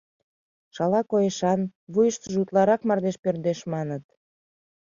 Шала койышан, вуйыштыжо утларакат мардеж пӧрдеш, маныт.